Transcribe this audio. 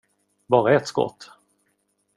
Bara ett skott?